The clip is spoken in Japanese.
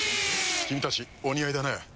君たちお似合いだね。